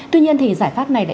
tuy nhiên giải pháp này